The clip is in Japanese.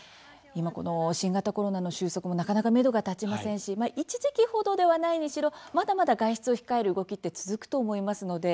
今、新型コロナの収束もなかなかめどが立ちませんし一時期ほどではないにしろまだまだ外出を控える動き続くと思います。